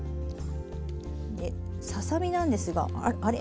でささ身なんですがあれ？